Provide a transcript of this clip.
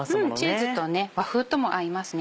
チーズとね和風とも合いますね。